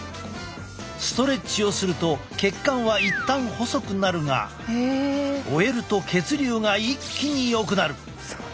ストレッチをすると血管は一旦細くなるが終えると血流が一気によくなる。